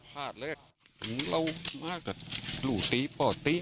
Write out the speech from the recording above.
ประมาณ๒๓ครั้งเนี่ย